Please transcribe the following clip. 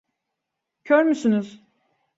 Kör müsünüz?